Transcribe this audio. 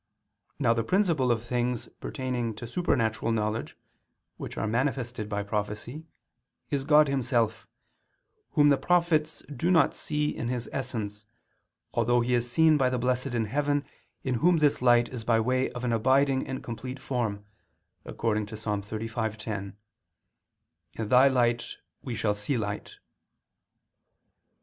Now the principle of things pertaining to supernatural knowledge, which are manifested by prophecy, is God Himself, Whom the prophets do not see in His essence, although He is seen by the blessed in heaven, in whom this light is by way of an abiding and complete form, according to Ps. 35:10, "In Thy light we shall see light."